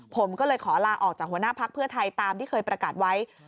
ผมก็เลยขอลาออกจากหัวหน้าพักเพื่อไทยตามที่เคยประกาศไว้